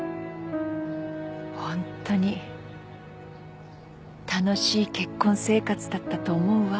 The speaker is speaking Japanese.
ホントに楽しい結婚生活だったと思うわ。